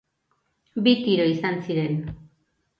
Bi tiro izan ziren.